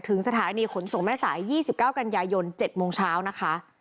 สถานีขนส่งแม่สาย๒๙กันยายน๗โมงเช้านะคะ